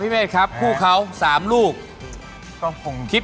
ปกติไม่จำเวลานะครับ